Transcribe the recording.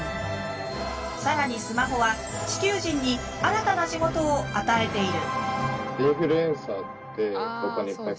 更にスマホは地球人に新たな仕事を与えている。